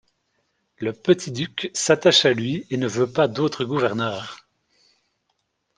Le petit duc s'attache à lui et ne veut pas d'autre gouverneur.